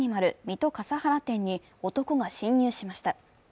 水戸笠原店に男が侵入しました。